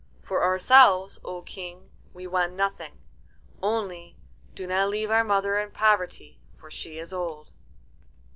"For ourselves, O King, we want nothing. Only, do not leave our mother in poverty, for she is old."